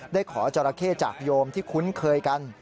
ขอจราเข้จากโยมที่คุ้นเคยกัน